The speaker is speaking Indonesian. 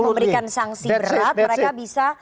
memberikan sanksi berat mereka bisa